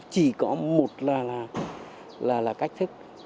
chỉ có một là cách thức